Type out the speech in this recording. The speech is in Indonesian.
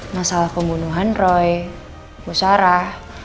masalah pembunuhan roy bu sarah